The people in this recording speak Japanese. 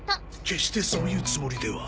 決してそういうつもりでは。